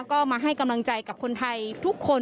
ก็มาให้กำลังใจกับคนไทยทุกคน